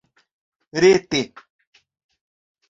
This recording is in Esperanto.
rete